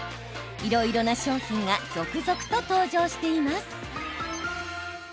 いろいろな商品が続々と登場しています。